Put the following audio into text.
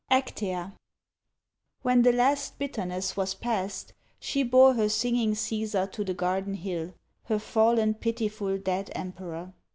ACTEA When the last bitterness was past, she bore Her singing Cæsar to the Garden Hill, Her fallen pitiful dead emperor.